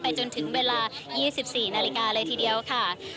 ไปจนถึงเวลายี่สิบสี่นาฬิกาเลยทีเดียวค่ะ